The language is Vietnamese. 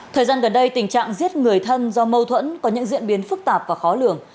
thời gian gần đây tình trạng giết người thân do mâu thuẫn có những diễn biến phức tạp và khó lường